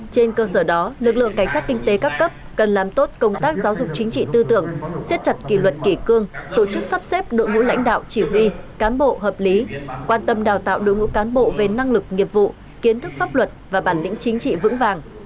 trên cơ sở đó lực lượng cảnh sát kinh tế các cấp cần làm tốt công tác giáo dục chính trị tư tưởng siết chặt kỷ luật kỷ cương tổ chức sắp xếp đội ngũ lãnh đạo chỉ huy cán bộ hợp lý quan tâm đào tạo đội ngũ cán bộ về năng lực nghiệp vụ kiến thức pháp luật và bản lĩnh chính trị vững vàng